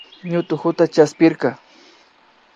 Ñutukata chaspirka